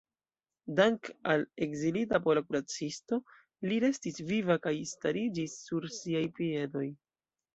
Dank‘ al ekzilita pola kuracisto li restis viva kaj stariĝis sur siaj piedoj.